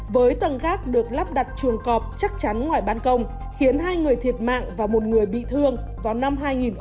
với tầng gác được lắp đặt chuồng cọp chắc chắn ngoài ban công khiến hai người thiệt mạng và một người bị thương vào năm hai nghìn một mươi